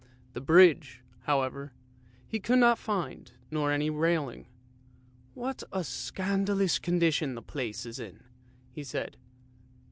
The bridge, however, he could not find, nor any railing. " What a scandalous condition the place is in," he said.